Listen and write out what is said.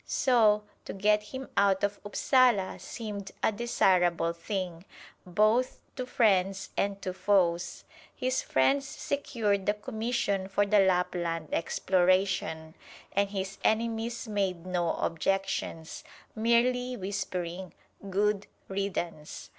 So, to get him out of Upsala seemed a desirable thing, both to friends and to foes. His friends secured the commission for the Lapland exploration, and his enemies made no objections, merely whispering, "Good riddance!"